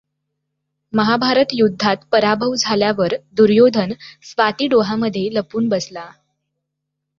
महाभारत युद्धात पराभव झाल्यावर दुर्योधन स्वाती डोहामध्ये लपून बसला.